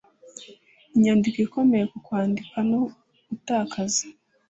inyandiko ikomeye ku kwandika no gutakaza